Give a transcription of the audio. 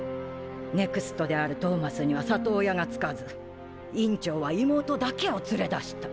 ＮＥＸＴであるトーマスには里親がつかず院長は妹だけを連れ出した。